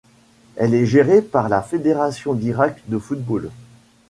Elle est gérée par la Fédération d'Irak de football.